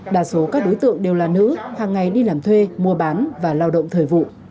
đa số các đối tượng đều là nữ hàng ngày đi làm thuê mua bán và lao động thời vụ